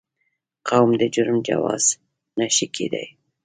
قوم د جرم جواز نه شي کېدای.